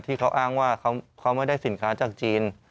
ที่เขาอ้างว่าเขาไม่ได้สินค้าจากจีน